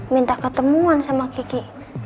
minta ketemuan sama kiki